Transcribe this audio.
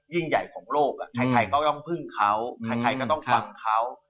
ยิ่งใหญ่ของโลกใครก็ต้องพึ่งเขาใครก็ต้องฟังเขา